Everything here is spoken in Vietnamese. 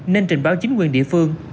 nên trình báo chính quyền địa phương